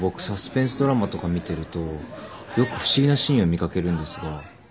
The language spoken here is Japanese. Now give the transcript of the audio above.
サスペンスドラマとか見てるとよく不思議なシーンを見掛けるんですが。